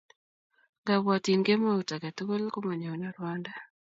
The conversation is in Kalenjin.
Ngabwatin kemout ake tukul ko manyone rwondo.